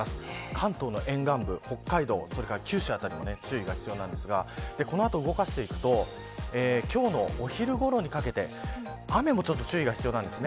関東の沿岸部、北海道、それから九州辺りも注意が必要ですがこの後動かしていくと今日のお昼ごろにかけて雨もちょっと注意が必要です。